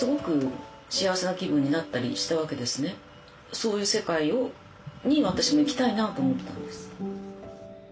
そういう世界に私も行きたいなと思ったんです。